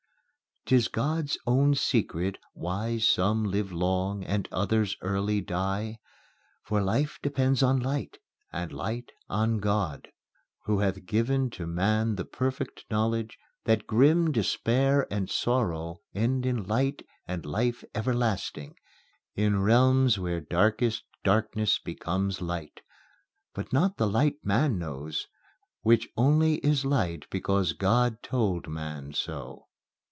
'Tis God's own secret, why Some live long, and others early die; For Life depends on Light, and Light on God, Who hath given to Man the perfect knowledge That Grim Despair and Sorrow end in Light And Life everlasting, in realms Where darkest Darkness becomes Light; But not the Light Man knows, Which only is Light Because God told Man so.